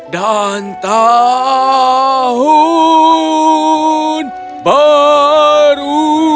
dan tahun baru